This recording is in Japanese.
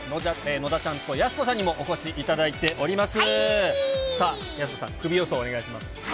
野田ちゃんとやす子さんにもお越しいただいております。